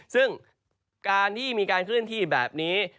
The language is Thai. ซึ่งการที่มีการเคลื่อนที่แบบนี้